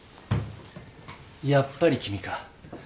やっぱり君か。